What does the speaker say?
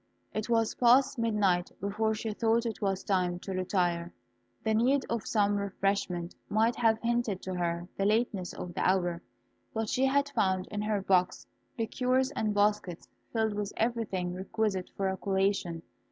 It was past midnight before she thought it was time to retire. The need of some refreshment might have hinted to her the lateness of the hour; but she had found in her box liqueurs and baskets filled with everything requisite for a collation.